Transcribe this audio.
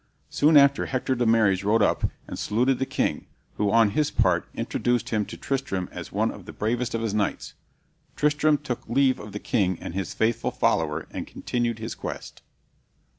Soon after, Hector de Marys rode up, and saluted the king, who on his part introduced him to Tristram as one of the bravest of his knights. Tristram took leave of the king and his faithful follower, and continued his quest.